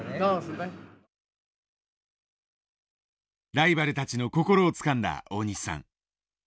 ライバルたちの心をつかんだ大西さん。